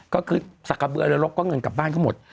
ก็คือสักกระเบือเรือรกก็เงินกลับบ้านเขาหมด